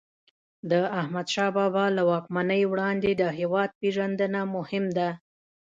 د احمدشاه بابا له واکمنۍ وړاندې د هیواد پېژندنه مهم ده.